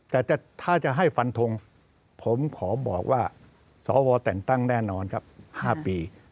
แต่ถ้าจะให้ฟันทงผมขอบอกว่าสวแต่งตั้งแน่นอนครับ๕ปี